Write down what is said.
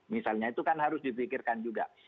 misalnya itu kan harus dipikirkan juga